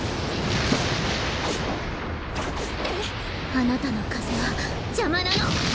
あなたの風は邪魔なの！